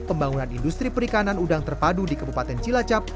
pembangunan industri perikanan udang terpadu di kabupaten cilacap